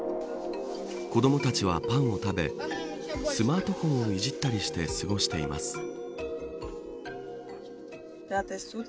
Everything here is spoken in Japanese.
子どもたちはパンを食べスマートフォンをいじったりして過ごしています。